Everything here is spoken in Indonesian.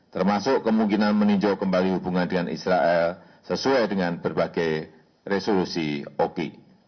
termasuk kemungkinan meninjau kembali hubungan dengan israel sesuai dengan berbagai resolusi opi